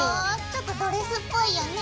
ちょっとドレスっぽいよね。